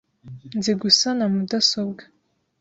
Nzi gusana mudasobwa .